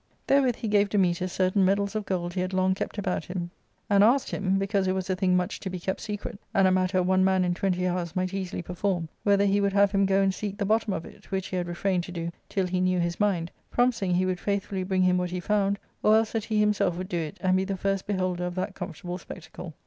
Therewith he gave Dametas certain medals of gold he had long kept about him, and asked him, because it was a thing much to be kept secret, and a matter one man in twenty hours might easily perform, whether he would have him go and seek the bottom of it, which he had refrained to do till he knew his mind, promising he would faithfully bring him what he found, or else that he himself would do it and be the first beholder of that comfort able spectacle.